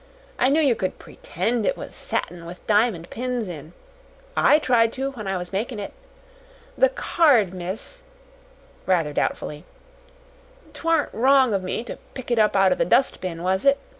I knew yer could PRETEND it was satin with diamond pins in. I tried to when I was makin' it. The card, miss," rather doubtfully; "'t warn't wrong of me to pick it up out o' the dust bin, was it?